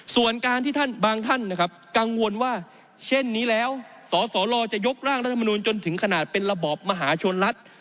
ส่วนการที่ท่านบางท่านนะครับกังวลว่าเช่นนี้แล้วสสลจะยกร่างรัฐมนุนจนถึงขนาดเป็นระบอบมหาชนรัฐ